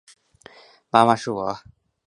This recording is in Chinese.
妈妈，是我